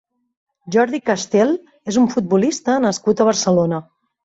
Jordi Castel és un futbolista nascut a Barcelona.